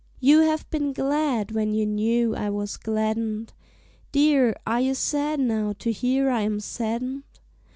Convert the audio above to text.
You have been glad when you knew I was gladdened; Dear, are you sad now to hear I am saddened?